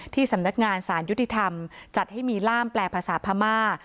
สำนักงานสารยุติธรรมจัดให้มีล่ามแปลภาษาพม่า